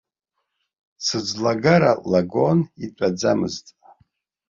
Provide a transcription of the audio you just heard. Сыӡлагара лагон, итәаӡамызт.